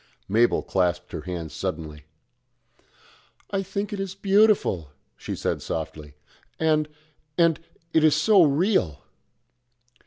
Mabel clasped her hands suddenly. "I think it is beautiful," she said softly, "and and it is so real."